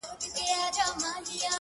o زه هم له خدايه څخه غواړمه تا؛